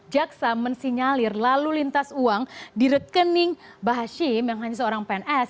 jaksa mensinyalir lalu lintas uang di rekening bahashim yang hanya seorang pns